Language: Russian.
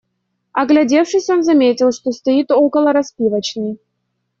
Оглядевшись, он заметил, что стоит около распивочной.